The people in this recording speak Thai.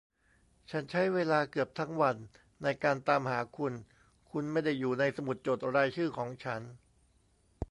ฉันใช้เวลาเกือบทั้งวันในการตามหาคุณ คุณไม่ได้อยู่ในสมุดจดรายชื่อของฉัน